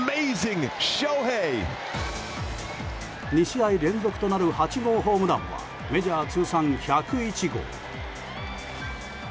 ２試合連続となる８号ホームランはメジャー通算１０１号。